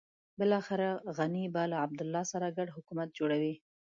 بلاخره غني به له عبدالله سره ګډ حکومت جوړوي.